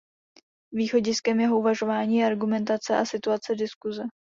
Východiskem jeho uvažování je argumentace a situace diskuse.